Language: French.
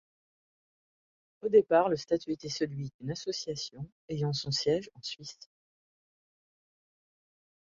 Au départ, le statut était celui d'une association, ayant son siège en Suisse.